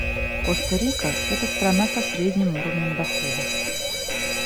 Коста-Рика — это страна со средним уровнем дохода.